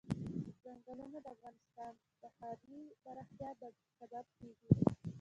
ځنګلونه د افغانستان د ښاري پراختیا سبب کېږي.